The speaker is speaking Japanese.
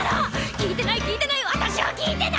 聞いてない聞いてない私は聞いてない！